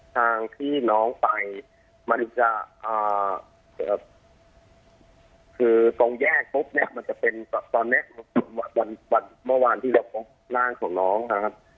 ทางที่น้องไปมันจะคือตรงแยกปุ๊บเนี่ยมันจะเป็นตอนนี้วันเมื่อวานที่เราพบร่างของน้องนะครับ